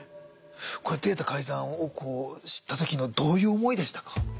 これデータ改ざんを知った時どういう思いでしたか？